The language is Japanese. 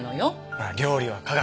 ほら「料理は科学」。